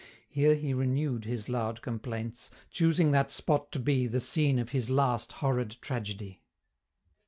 Here he renew'd His loud complaints, choosing that spot to be The scene of his last horrid tragedy."